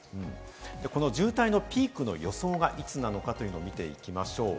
渋滞のピークの予想がいつなのか見ていきましょう。